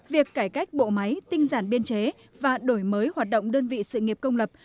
việc cải cách bộ máy tinh giản biên chế và đổi mới hoạt động đơn vị sự nghiệp công lập